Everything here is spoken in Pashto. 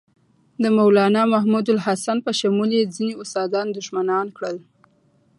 د مولنا محمودالحسن په شمول یې ځینې استادان دښمنان کړل.